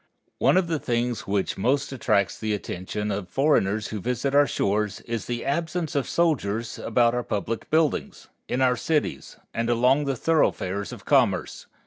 One of the things which most attracts the attention of foreigners who visit our shores is the absence of soldiers about our public buildings, in our cities, and along the thoroughfares of commerce.